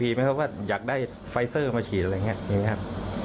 ไม่เข้าใจว่าอยากได้ไฟซอร์มาฉีดอะไรอย่างเนี่ย